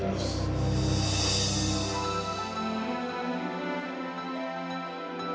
kamu penyelamatkan kamu